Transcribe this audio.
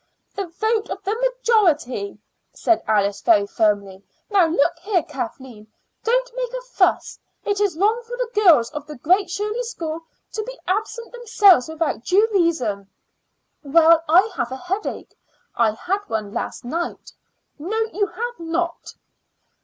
"The vote of the majority," said Alice very firmly. "Now, look here, Kathleen; don't make a fuss. It is wrong for the girls of the Great Shirley School to absent themselves without due reason." "Well, I have a headache. I had one last night." "No, you had not."